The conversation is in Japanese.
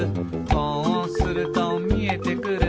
「こうするとみえてくる」